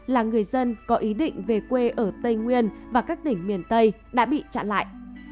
là người dân có ý định về quê ở tây nguyên và các tỉnh miền tây đã bị chặn lại